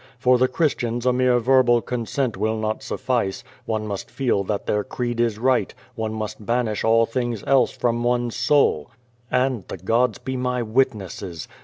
For the Christians a mere verbal consent will not suffice, one must feel that their creed is right, one must banish all things else from one's soul. And, the gods be my witnesses!